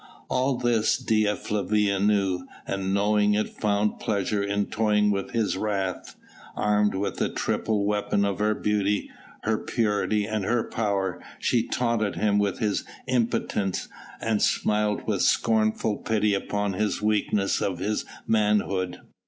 All this Dea Flavia knew, and knowing it found pleasure in toying with his wrath. Armed with the triple weapon of her beauty, her purity and her power, she taunted him with his impotence and smiled with scornful pity upon the weakness of his manhood.